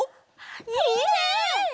いいね！